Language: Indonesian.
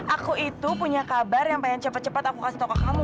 aku itu punya kabar yang pengen cepat cepat aku kasih toko kamu